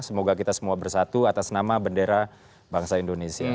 semoga kita semua bersatu atas nama bendera bangsa indonesia